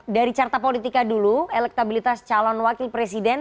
dari carta politika dulu elektabilitas calon wakil presiden